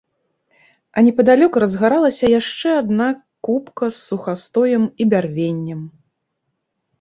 А непадалёк разгаралася яшчэ адна купка з сухастоем і бярвеннем.